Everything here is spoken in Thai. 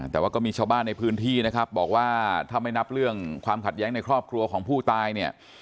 แต่ว่าก็มีชาวบ้านในพื้นที่นะครับบอกว่าถ้าไม่นับเรื่องความขัดแย้งในครอบครัวของผู้ตายเนี่ย